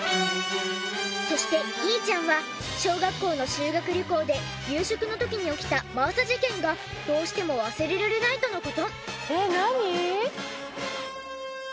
そしてひーちゃんは小学校の修学旅行で夕食の時に起きた真麻事件がどうしても忘れられないとの事。